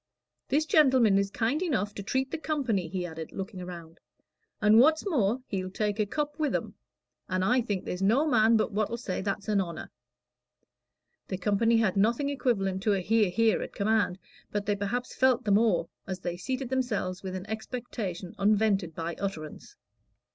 "This gentleman is kind enough to treat the company," he added, looking round, "and what's more, he'll take a cup with 'em; and I think there's no man but what'll say that's a honor." The company had nothing equivalent to a "hear, hear," at command, but they perhaps felt the more, as they seated themselves with an expectation unvented by utterance.